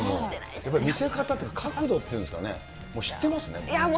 やっぱり見せ方というか、角度っていうんですかね、知ってますね、もう。